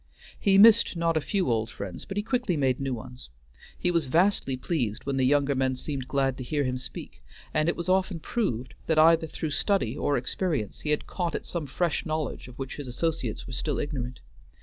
He missed not a few old friends, but he quickly made new ones. He was vastly pleased when the younger men seemed glad to hear him speak, and it was often proved that either through study or experience he had caught at some fresh knowledge of which his associates were still ignorant.